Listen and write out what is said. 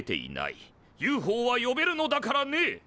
ＵＦＯは呼べるのだからね！